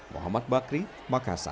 mohamad bakri makassar